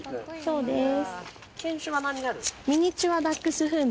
そうです。